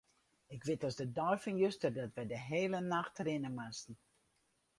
Ik wit as de dei fan juster dat wy de hiele nacht rinne moasten.